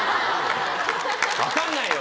分かんないよ